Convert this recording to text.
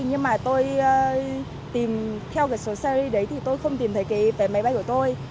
nhưng mà tôi tìm theo số series đấy thì tôi không tìm thấy vé máy bay của tôi